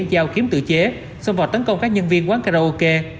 dao kiếm tự chế xông vào tấn công các nhân viên quán karaoke